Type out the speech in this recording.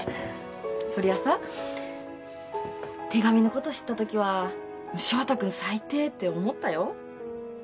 そりゃさ手紙のこと知ったときは翔太君最低って思ったよ。